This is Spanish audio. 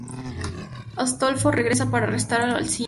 Astolfo regresa para arrestar a Alcina.